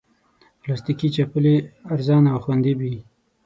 پلاستيکي چپلی ارزانه او خوندې وي.